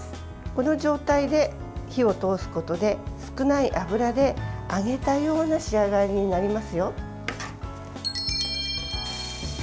この状態で火を通すことで少ない油で、揚げたような仕上がりになりますよ。